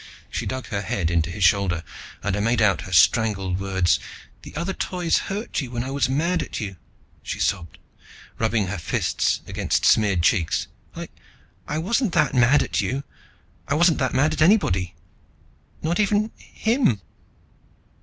She dug her head into his shoulder and I made out her strangled words. "The other Toys hurt you when I was mad at you...." she sobbed, rubbing her fists against smeared cheeks. "I I wasn't that mad at you. I wasn't that mad at anybody, not even ... him."